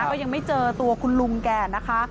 ก็ยังไม่เจอตัวคุณลุงแกนะคะ